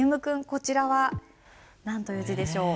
こちらは何という字でしょう？